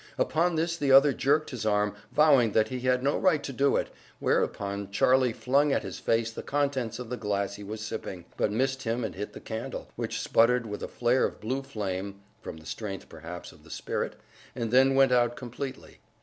Upon this the other jerked his arm, vowing that he had no right to do it; whereupon Charlie flung at his face the contents of the glass he was sipping, but missed him and hit the candle, which sputtered with a flare of blue flame (from the strength, perhaps, of the spirit), and then went out completely.